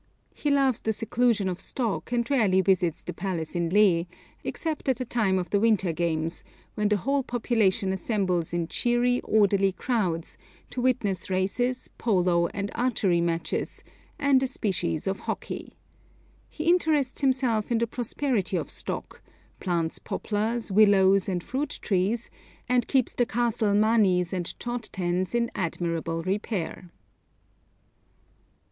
He loves the seclusion of Stok, and rarely visits the palace in Leh, except at the time of the winter games, when the whole population assembles in cheery, orderly crowds, to witness races, polo and archery matches, and a species of hockey. He interests himself in the prosperity of Stok, plants poplars, willows, and fruit trees, and keeps the castle manis and chod tens in admirable repair.